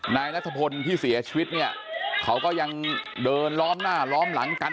นายนัทพลที่เสียชีวิตเนี่ยเขาก็ยังเดินล้อมหน้าล้อมหลังกัน